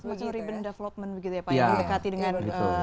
maksud urban development begitu ya pak mendekati dengan